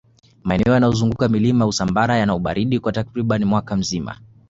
maeneo yanayozunguka milima ya usambara yana ubaridi kwa takribani mwaka mzima